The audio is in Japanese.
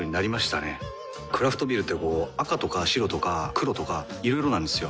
クラフトビールってこう赤とか白とか黒とかいろいろなんですよ。